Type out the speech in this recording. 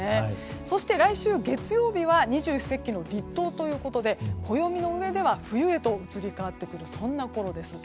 そして、来週月曜日は二十四節気の立冬ということで暦の上では冬へと移り変わっていくそんなころです。